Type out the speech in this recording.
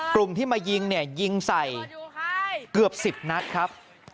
กลุ่มที่มายิงเนี่ยยิงใส่เกือบ๑๐นัดครับ